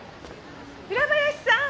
平林さん！